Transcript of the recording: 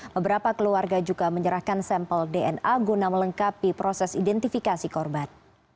beberapa keluarga juga menyerahkan sampel dna guna melengkapi proses identifikasi korban